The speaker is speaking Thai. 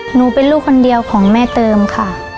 หนูเป็นลูกคนเดียวของแม่เติมค่ะ